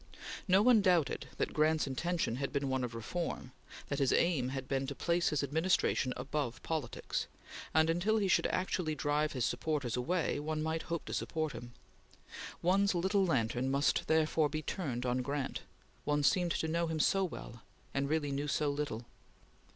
No one doubted that Grant's intention had been one of reform; that his aim had been to place his administration above politics; and until he should actually drive his supporters away, one might hope to support him. One's little lantern must therefore be turned on Grant. One seemed to know him so well, and really knew so little.